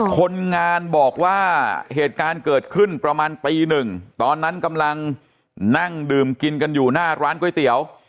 คนงานบอกว่าเหตุการณ์เกิดขึ้นประมาณตีหนึ่งตอนนั้นกำลังนั่งดื่มกินกันอยู่หน้าร้านก๋วยเตี๋ยว